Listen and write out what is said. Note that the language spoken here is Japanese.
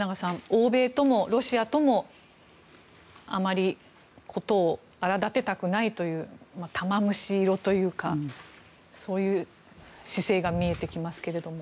欧米ともロシアともあまり事を荒立てたくないという玉虫色というか、そういう姿勢が見えてきますけども。